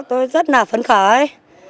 tôi rất là phấn khởi